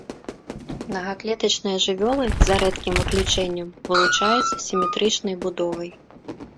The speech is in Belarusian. Мнагаклетачныя жывёлы, за рэдкім выключэннем, вылучаюцца сіметрычнай будовай.